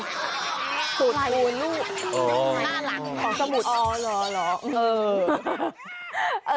สูตรสูตรลูกน่ารักของสมุทรอ๋อหรอหรอเออ